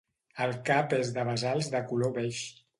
El cap és de basals de color beix.